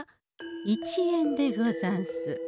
１円でござんす。